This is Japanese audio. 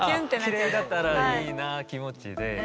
きれいだったらいいな気持ちで。